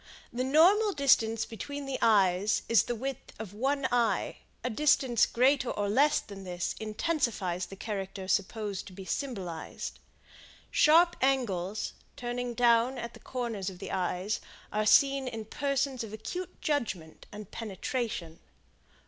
The normal distance between the eyes is the width of one eye; a distance greater or less than this intensifies the character supposed to be symbolized. Sharp angles, turning down at the corners of the eyes, are seen in persons of acute judgment and penetration.